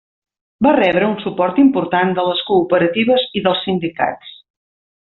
Va rebre un suport important de les cooperatives i dels sindicats.